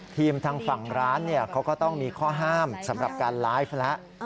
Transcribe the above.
ทางฝั่งร้านเขาก็ต้องมีข้อห้ามสำหรับการไลฟ์แล้ว